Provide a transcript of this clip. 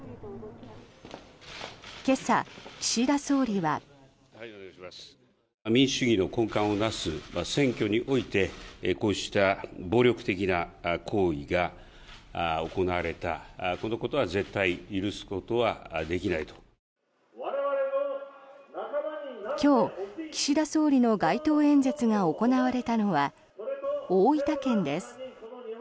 今朝、岸田総理は。今日、岸田総理の街頭演説が行われたのは大分県です。